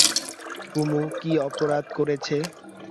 কুমু কী অপরাধ করেছে?